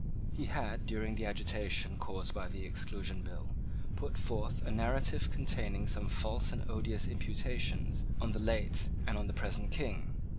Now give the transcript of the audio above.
He had, during the agitation caused by the Exclusion Bill, put forth a narrative containing some false and odious imputations on the late and on the present King.